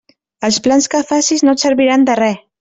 Els plans que facis no et serviran de res.